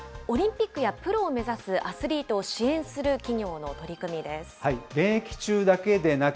オリンピックやプロを目指すアスリートを支援する企業の取り組みです。